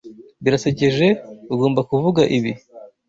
Birasekeje ugomba kuvuga ibi.